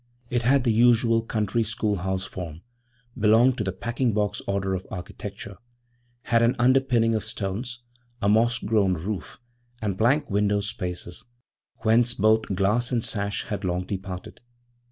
It had the usual country schoolhouse form belonged to the packing box order of architecture; had an underpinning of stones, a moss grown roof, and blank window spaces, whence both glass and sash had long departed.